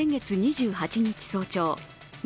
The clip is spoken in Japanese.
先月２８日早朝